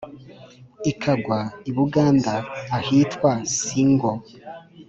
Ikagwa i Buganda ahitwa ssingo,